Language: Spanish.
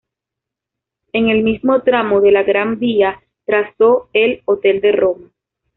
En el mismo tramo de la Gran vía trazó el "Hotel de Roma".